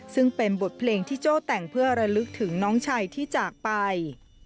ซึ่งเป็นบทเพลงที่โจ้แต่งเพื่อระลึกถึงน้องชายที่จากไป